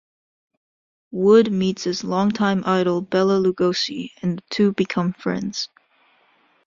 Wood meets his longtime idol Bela Lugosi and the two become friends.